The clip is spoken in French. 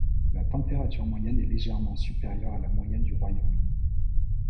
La température moyenne est légèrement supérieure à la moyenne du Royaume-Uni.